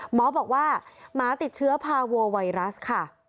หมอบอกว่าหมาติดเชื้อพาวัวไวรัสค่ะ